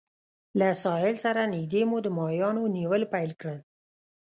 له ساحل سره نږدې مو د ماهیانو نیول پیل کړل.